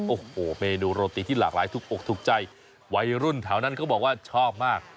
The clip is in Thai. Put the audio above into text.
โอ้โหเมนูโรตีที่หลากหลายถูกอกถูกใจวัยรุ่นแถวนั้นเขาบอกว่าชอบมาก